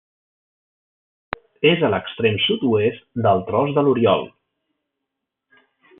És a l'extrem sud-oest del Tros de l'Oriol.